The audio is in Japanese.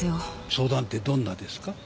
相談ってどんなですか？